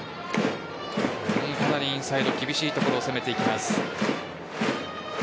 かなりインサイド厳しいところを攻めていきます。